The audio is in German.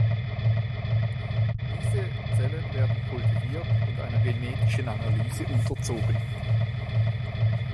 Diese Zellen werden kultiviert und einer genetischen Analyse unterzogen.